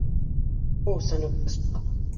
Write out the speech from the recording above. Oh ! ça ne presse pas !…